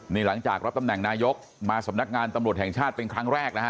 นี่หลังจากรับตำแหน่งนายกมาสำนักงานตำรวจแห่งชาติเป็นครั้งแรกนะฮะ